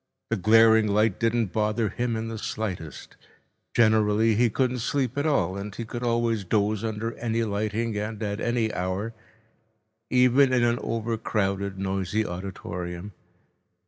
The glaring light didn't bother him in the slightest. Generally he couldn't sleep at all, and he could always doze under any lighting and at any hour, even in an overcrowded, noisy auditorium.